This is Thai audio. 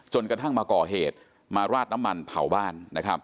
กระทั่งมาก่อเหตุมาราดน้ำมันเผาบ้าน